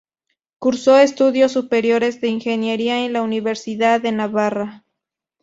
Cursó estudios superiores de ingeniería en la Universidad de Navarra.